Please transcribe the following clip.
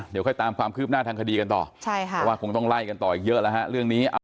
เดี๋ยวค่อยตามความคืบหน้าทางคดีกันต่อเพราะว่าคงต้องไล่กันต่ออีกเยอะแล้วฮะ